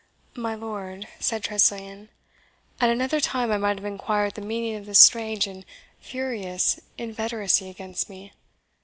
"My lord," said Tressilian, "at another time I might have inquired the meaning of this strange and furious inveteracy against me.